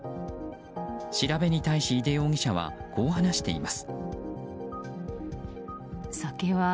調べに対し、井手容疑者はこう話しています。